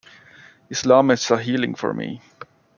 Islam is a healing for me.